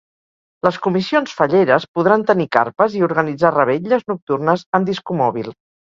Les comissions falleres podran tenir carpes i organitzar revetlles nocturnes amb discomòbil.